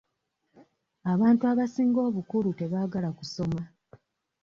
Abantu abasinga obukulu tebaagala kusoma.